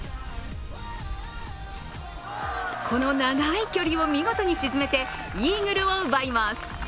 この長い距離を見事に沈めてイーグルを奪います。